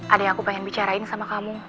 ada yang aku pengen bicarain sama kamu